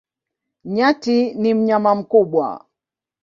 Nyati ni mnyama mkubwa.